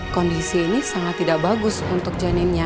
kondisi ini sangat tidak bagus untuk janinnya